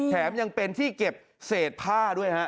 แถมยังเป็นที่เก็บเศษผ้าด้วยฮะ